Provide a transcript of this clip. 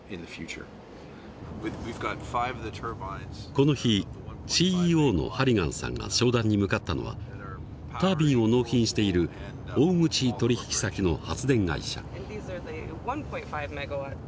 この日ＣＥＯのハリガンさんが商談に向かったのはタービンを納品している大口取引先の発電会社。